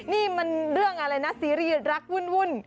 นี่มันเรื่องอะไรนะซีรีส์รักวุ่น